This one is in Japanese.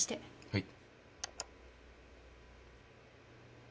はい。